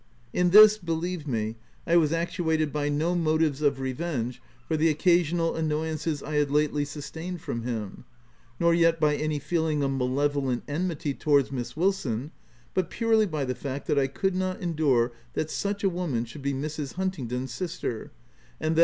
In this, believe me, I was actuated by no motives of revenge for the occasional annoyances I had lately sustained from him, — nor yet by any feeling of malevolent enmity towards Miss Wilson, but purely by the fact that I could not endure that such a woman should be Mrs. Huntingdon's sister, and that